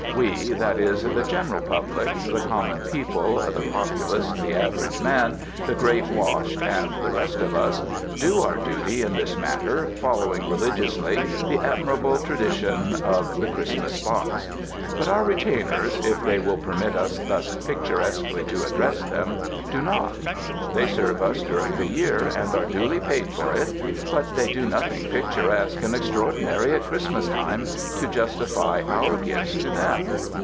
We — that is, the general public, the common people, the populace, the average man, the great washed and the rest of us — do our duty in this matter, following religiously the admirable tradi tion of the Christmas box. But our retainers — if they will permit us thus picturesquely to address them — do not. They serve us during the year, and are duly paid for it, but they do nothing picturesque and extraordinary at Christmas time to justify our gifts to them.